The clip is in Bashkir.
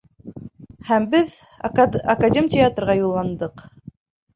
Һәм беҙ академтеатрға юлландыҡ.